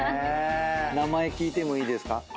名前聞いてもいいですか？